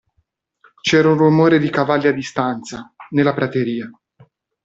C'era un rumore di cavalli a distanza, nella prateria.